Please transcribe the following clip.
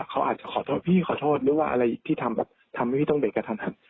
เขาอาจจะขอโทษพี่ขอโทษหรือว่าอะไรพี่ทำแบบทำให้พี่ต้องเบรกกระทันหัน